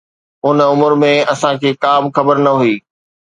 ان عمر ۾ اسان کي ڪا به خبر نه هئي.